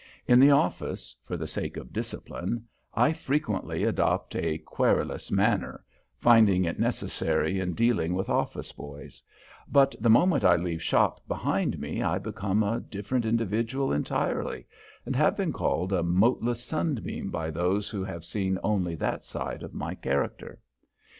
In the office, for the sake of discipline, I frequently adopt a querulous manner, finding it necessary in dealing with office boys, but the moment I leave shop behind me I become a different individual entirely, and have been called a moteless sunbeam by those who have seen only that side of my character.